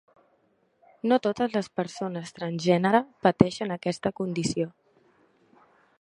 No totes les persones transgènere pateixen aquesta condició.